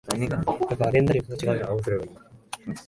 沖縄県久米島町